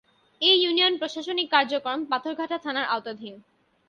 এ ইউনিয়নের প্রশাসনিক কার্যক্রম পাথরঘাটা থানার আওতাধীন।